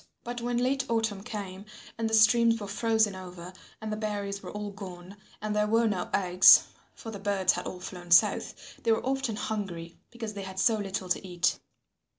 But when late autumn came and the streams were frozen over and the berries were all gone and there were no eggs, for the birds had all flown south, they were often hungry because they had so little to eat.